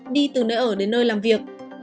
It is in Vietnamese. đi từ nơi ở đến nơi làm việc